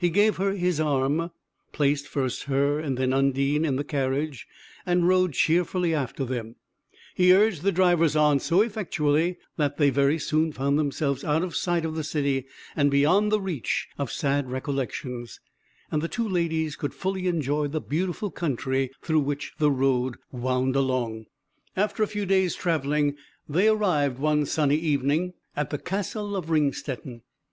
He gave her his arm, placed first her and then Undine in the carriage, and rode cheerfully after them; he urged the drivers on so effectually, that they very soon found themselves out of sight of the city, and beyond the reach of sad recollections and the two ladies could fully enjoy the beautiful country through which the road wound along. After a few days' travelling, they arrived, one sunny evening, at the Castle of Ringstetten.